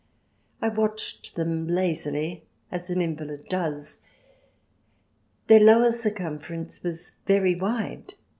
I watched them lazily, as an invalid does. Their lower circumference was very wide.